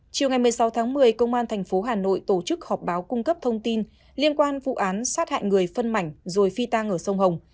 chiều ngày một mươi sáu tháng một mươi công an tp hà nội tổ chức họp báo cung cấp thông tin liên quan vụ án sát hại người phân mảnh rồi phi tang ở sông hồng